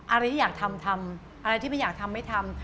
อะไรที่อยากทำทำอะไรที่ไม่อยากทำไม่ทำ